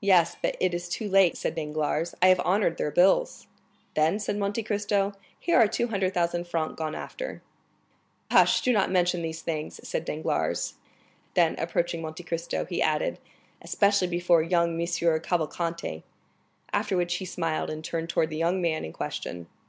"Yes, but it is too late," said Danglars, "I have honored their bills." "Then," said Monte Cristo, "here are 200,000 francs gone after——" "Hush, do not mention these things," said Danglars; then, approaching Monte Cristo, he added, "especially before young M. Cavalcanti;" after which he smiled, and turned towards the young man in question.